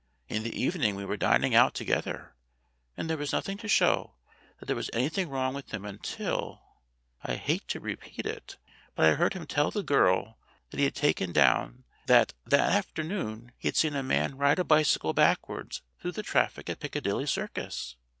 In the evening we were dining out together, and there was nothing to show that there was anything wrong with him until I hate to repeat it but I heard him tell the girl that he had taken down, that that after noon he had seen a man ride a bicycle backwards through the traffic at Piccadilly Circus.